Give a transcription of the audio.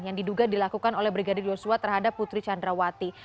yang diduga dilakukan oleh brigadir j terhadap putri chandrawati